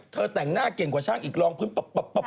แต่งหน้าเก่งกว่าช่างอีกรองพื้นป๊อบ